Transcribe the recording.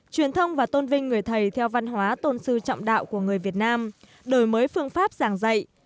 truyền thông và tôn vinh người thầy theo văn hóa tôn sư trọng đạo của người việt nam đổi mới phương pháp giảng dạy